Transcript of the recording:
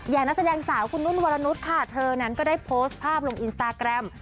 นักแสดงสาวคุณนุ่นวรนุษย์ค่ะเธอนั้นก็ได้โพสต์ภาพลงอินสตาแกรม